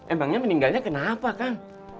emangnya meninggalnya kenapa kang